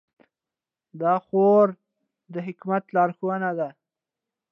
دا خورا د حکمت لارښوونه ده.